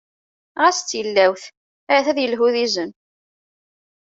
Ɣas d tilawt, ahat ad yelhu d izen.